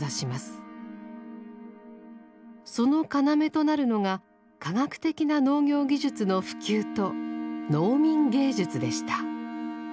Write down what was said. その要となるのが科学的な農業技術の普及と「農民芸術」でした。